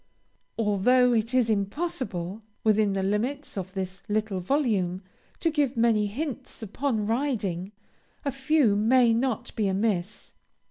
Although it is impossible, within the limits of this little volume, to give many hints upon riding, a few may not be amiss.